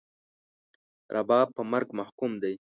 رباب په مرګ محکوم دی